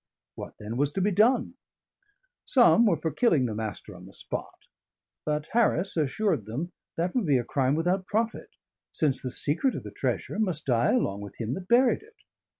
What, then, was to be done? Some were for killing the Master on the spot; but Harris assured them that would be a crime without profit, since the secret of the treasure must die along with him that buried it.